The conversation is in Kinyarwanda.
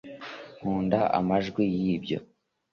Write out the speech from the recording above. nkunda amajwi yibyo